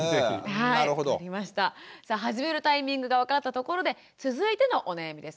さあ始めるタイミングが分かったところで続いてのお悩みです。